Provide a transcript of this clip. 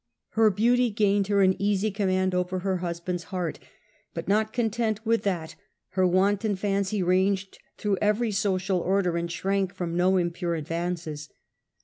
Her beauty gained her an easy command over her husband^s heart, but not content with that her wanton fancy ranged through every social order and shrank from no im bounded pure advances.